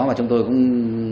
mà chúng tôi cũng